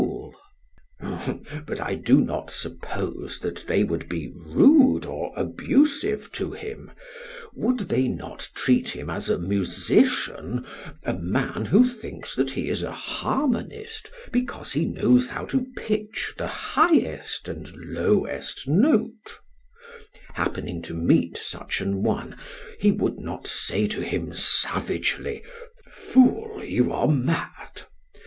SOCRATES: But I do not suppose that they would be rude or abusive to him: Would they not treat him as a musician a man who thinks that he is a harmonist because he knows how to pitch the highest and lowest note; happening to meet such an one he would not say to him savagely, 'Fool, you are mad!'